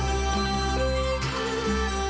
โอ้โหโอ้โหโอ้โหโอ้โห